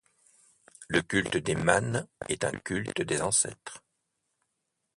Le culte des mânes est un culte des ancêtres.